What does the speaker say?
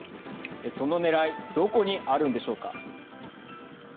そのねらいどこにあるんでしょうか。